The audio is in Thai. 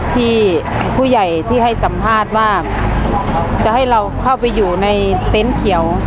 ที่ผู้ใหญ่ที่ให้สัมภาษณ์ว่าจะให้เราเข้าไปอยู่ในเต็นต์เขียว